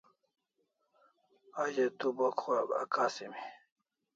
A ze tu bo akasimi